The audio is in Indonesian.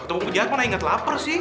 tumpuk penjahat mana inget laper sih